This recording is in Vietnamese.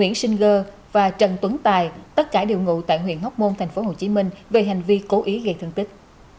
nguyễn sinh gơ và trần tuấn tài tất cả đều ngụ tại huyện hóc môn tp hcm về hành vi cố ý gây thương tích